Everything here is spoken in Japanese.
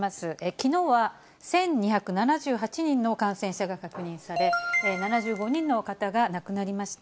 きのうは１２７８人の感染者が確認され、７５人の方が亡くなりました。